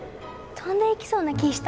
飛んでいきそうな気ぃした。